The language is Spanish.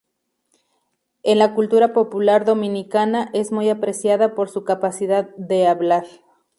En la cultura popular dominicana es muy apreciada por su capacidad de ""hablar".